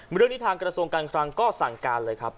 เรื่องนี้ทางกระทรวงการคลังก็สั่งการเลยครับ